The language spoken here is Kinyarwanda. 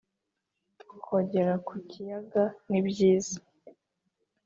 kogera ku kiyaga nibyiza